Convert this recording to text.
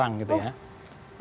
yang akan melakukan hal hal dasar